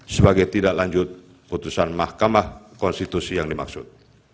sebagai tindak lanjut putusan mahkamah konstitusi yang dimaksud